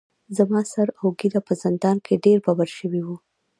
زما سر اوږېره په زندان کې ډیر ببر شوي وو.